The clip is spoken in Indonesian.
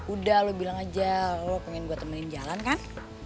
udah lo bilang aja lo pengen gue temenin jalan kan